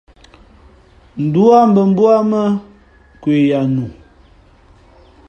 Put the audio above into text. Ndū á mbᾱ mbú á mά nkwe ya nu.